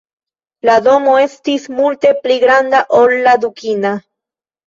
La domo estis multe pli granda ol la dukina.